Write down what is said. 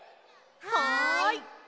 はい！